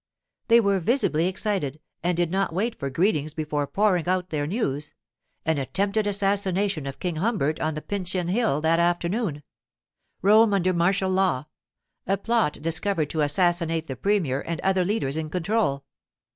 They were visibly excited, and did not wait for greetings before pouring out their news—an attempted assassination of King Humbert on the Pincian hill that afternoon—Rome under martial law—a plot discovered to assassinate the premier and other leaders in control.